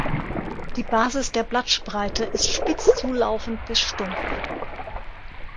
Die Basis der Blattspreite ist spitz zulaufend bis stumpf.